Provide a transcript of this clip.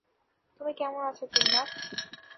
তুমি কেমন আছো জিন্নাত?